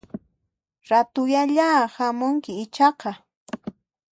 Ratullayá hamunki ichaqa